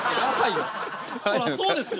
そらそうですよ。